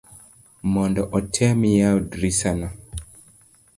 mondo otem yawo drisa no